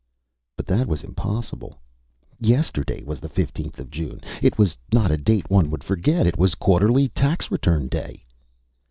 But that was impossible. Yesterday was the 15th of June. It was not a date one would forget it was quarterly tax return day.